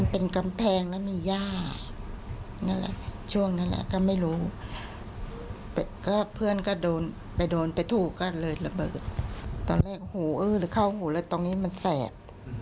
ตอนแรกหูเอื้อเข้าหู่เลยตรงนี้มันแศก